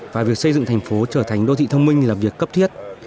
và việc xây dựng thành phố trở thành đô thị thông minh là việc cấp thiết